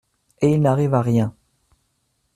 Et il n'arrive à rien.